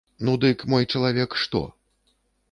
Ну дык мой чалавек што?